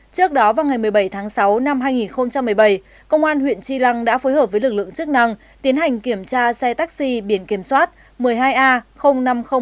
trước đó vào ngày một mươi bảy tháng sáu năm hai nghìn một mươi bảy công an huyện tri lăng đã phối hợp với lực lượng chức năng tiến hành kiểm tra xe taxi biển kiểm soát một mươi hai a năm trăm linh